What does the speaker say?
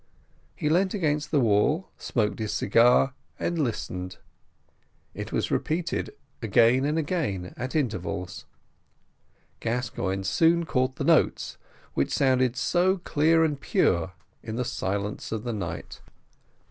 He leaned against the wall, smoked his cigar, and listened. It was repeated again and again at intervals; Gascoigne soon caught the notes, which sounded so clear and pure in the silence of the night.